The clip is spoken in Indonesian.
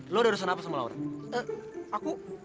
lo udah rusak apa sama laura